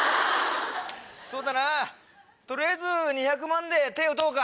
そうだなぁ取りあえず２００万で手打とうか！